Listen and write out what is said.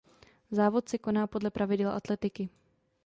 Závod se koná podle pravidel atletiky.